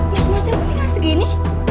masnya masnya ngerti gak segini